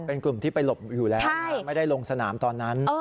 เป็นกลุ่มที่ไปหลบอยู่แล้วไม่ได้ลงสนามตอนนั้น